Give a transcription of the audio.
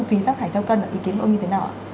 thì rác thải thâu cân là ý kiến của ông như thế nào ạ